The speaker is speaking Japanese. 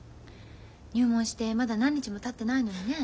入門してまだ何日もたってないのにね。